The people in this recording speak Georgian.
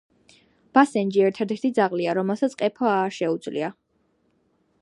ბასენჯი ერთადერთი ძაღლია, რომელსაც ყეფვა არ შეუძლია